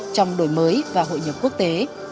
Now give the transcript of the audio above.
trong đổi mới và hội nhập quốc tế